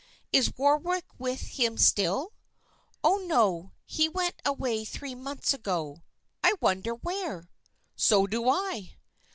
"Is Warwick with him still?" "Oh, no, he went away three months ago." "I wonder where!" "So do I!"